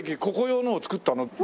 ここ用のを作ったの？